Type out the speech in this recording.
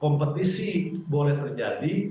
kompetisi boleh terjadi